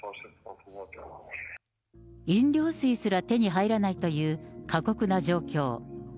飲料水すら手に入らないという過酷な状況。